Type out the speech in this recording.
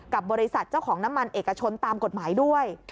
กับบริษัทเจ้าของน้ำมันเอกชนตามกฎหมายด้วย